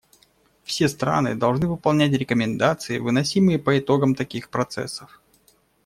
Все страны должны выполнять рекомендации, выносимые по итогам таких процессов.